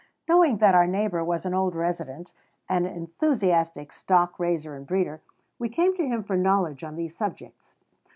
Knowing that our neighbor was an old resident, and enthusiastic stock raiser and breeder, we came to him for knowledge on these subjects.